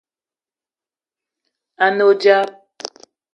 A ne odzap